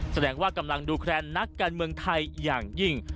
แสดงว่ากำลังดูแคลนนักการเมืองไทยอย่างยิ่ง